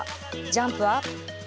ジャンプは。